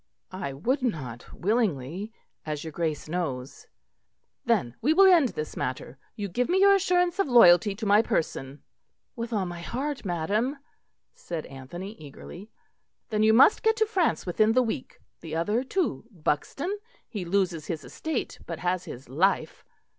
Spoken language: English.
"I would not willingly, as your Grace knows." "Then we will end this matter. You give me your assurance of loyalty to my person." "With all my heart, madam," said Anthony eagerly. "Then you must get to France within the week. The other too Buxton he loses his estate, but has his life.